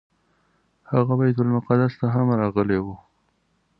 هغه بیت المقدس ته هم راغلی و.